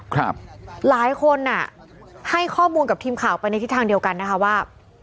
หลายคนอ่ะให้ข้อมูลกับทีมข่าวไปในทิศทางเดียวกันนะคะว่า